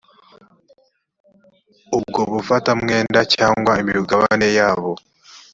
ubwo bufatamwenda cyangwa imigabane yabo